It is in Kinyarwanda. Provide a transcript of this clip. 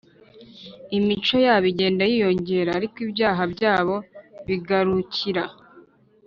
imico yabo igenda yiyongera, ariko ibyaha byabo bigarukira;